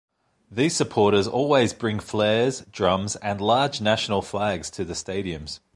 These supporters always bring flares, drums and large national flags to the stadiums.